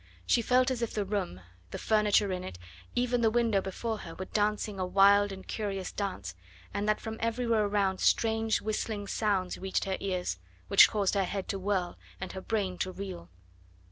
She felt as if the room, the furniture in it, even the window before her were dancing a wild and curious dance, and that from everywhere around strange whistling sounds reached her ears, which caused her head to whirl and her brain to reel.